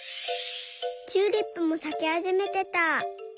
チューリップもさきはじめてた。